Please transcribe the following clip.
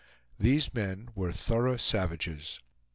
These men were thorough savages.